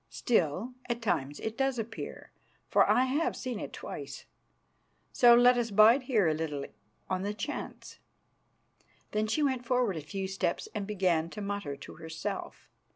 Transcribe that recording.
"Still, at times it does appear, for I have seen it twice. So let us bide here a little on the chance." Then she went forward a few steps and began to mutter to herself.